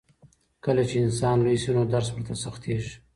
کله چې انسان لوی شي نو درس ورته سختېږي.